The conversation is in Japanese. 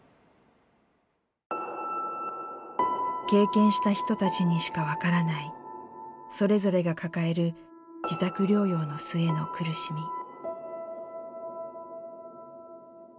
経験した人たちにしか分からないそれぞれが抱える自宅療養の末の苦しみ。